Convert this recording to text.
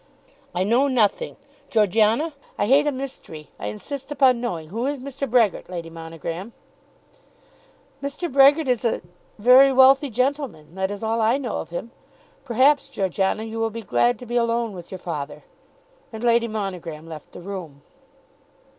"I know nothing. Georgiana, I hate a mystery. I insist upon knowing. Who is Mr. Brehgert, Lady Monogram?" "Mr. Brehgert is a very wealthy gentleman. That is all I know of him. Perhaps, Georgiana, you will be glad to be alone with your father." And Lady Monogram left the room.